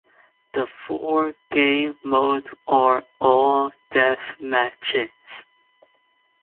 The four game modes are all deathmatches.